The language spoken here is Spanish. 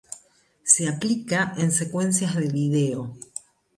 Se aplica en secuencias de vídeo.